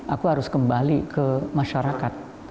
aku harus kembali ke masyarakat